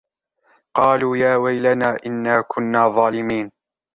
قَالُوا يَا وَيْلَنَا إِنَّا كُنَّا ظَالِمِينَ